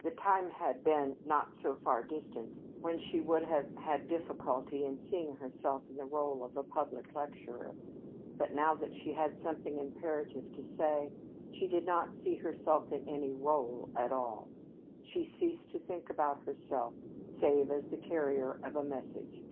The time had been not so far distant when she would have had difficulty in seeing herself in the rôle of a public lecturer, but now that she had something imperative to say, she did not see herself in any "rôle" at all. She ceased to think about herself save as the carrier of a message.